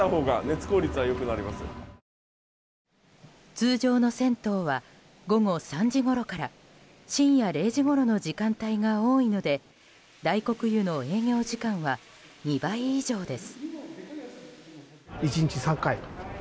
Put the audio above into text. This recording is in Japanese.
通常の銭湯は午後３時ごろから深夜０時ごろの時間帯が多いので大黒湯の営業時間は２倍以上です。